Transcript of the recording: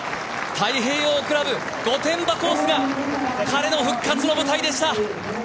太平洋クラブ御殿場コースが彼の復活の舞台でした。